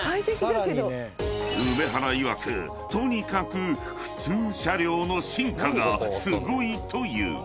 ［梅原いわくとにかく普通車両の進化がすごいという］